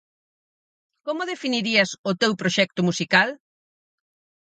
Como definirías o teu proxecto musical?